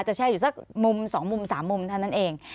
แช่อยู่สักมุม๒มุม๓มุมเท่านั้นเอง